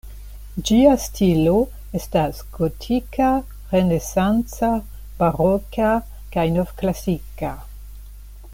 Ĝia stilo estas gotika, renesanca, baroka kaj novklasika.